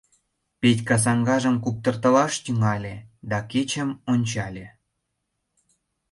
Петька саҥгажым куптыртылаш тӱҥале да кечым ончале.